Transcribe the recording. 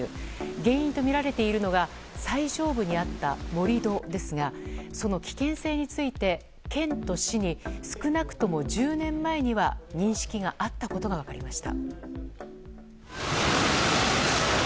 原因とみられているのが最上部にあった盛り土ですがその危険性について、県と市に少なくとも１０年前には認識があったことが分かりました。